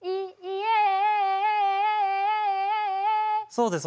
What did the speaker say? そうです